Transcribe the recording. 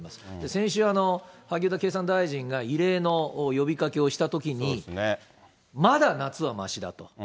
先週、萩生田経産大臣が異例の呼びかけをしたときに、まだ夏はましだと。